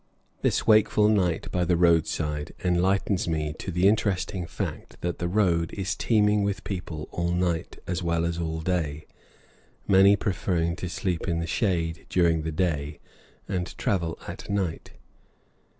This wakeful night by the roadside enlightens me to the interesting fact that the road is teeming with people all night as well as all day, many preferring to sleep in the shade during the day and travel at night.